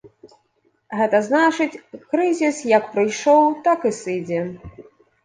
Гэта значыць, крызіс як прыйшоў, так і сыдзе.